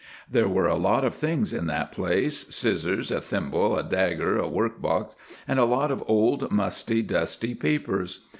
There were a lot of things in that place, scissors, a thimble, a dagger, a work box, and a lot of old musty, dusty papers.